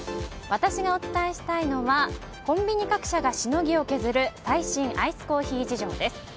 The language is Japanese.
私がお伝えしたいのはコンビニ各社がしのぎを削る最新アイスコーヒー事情です。